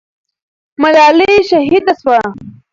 ملالۍ شهیده سوه.